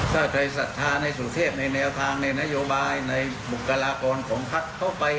ถ้าใครศรัทธาในสุเทพในแนวทางในนโยบายในบุคลากรของพักเข้าไป